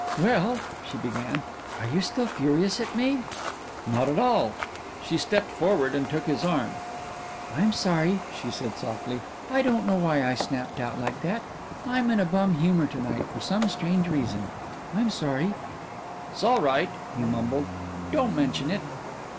"Well," she began, "are you still furious at me?" "Not at all." She stepped forward and took his arm. "I'm sorry," she said softly. "I don't know why I snapped out that way. I'm in a bum humor to night for some strange reason. I'm sorry." "S'all right," he mumbled, "don't mention it."